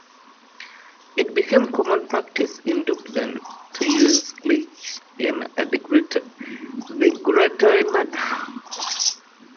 It became common practice in Dublin to use "culchie" in a derogatory manner.